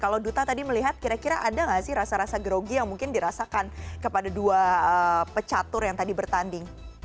kalau duta tadi melihat kira kira ada nggak sih rasa rasa grogi yang mungkin dirasakan kepada dua pecatur yang tadi bertanding